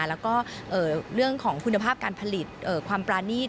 แล้วก็เรื่องของคุณภาพการผลิตความปรานีต